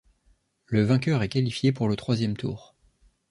Le vainqueur est qualifié pour le troisième tour.